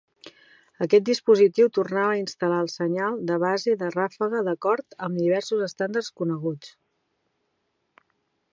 Aquest dispositiu tornava a instal·lar el senyal de fase de ràfega d'acord amb diversos estàndards coneguts.